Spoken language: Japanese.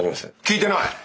聞いてない！